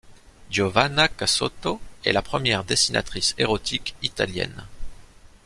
Giovanna Casotto est la première dessinatrice érotique italienne.